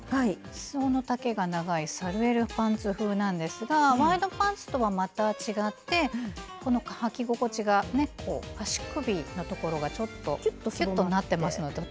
すその丈が長いサルエルパンツ風なんですがワイドパンツとはまた違ってはき心地がね足首のところがキュッとなってますのでとっても足が動かしやすいです。